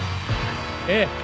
ええ。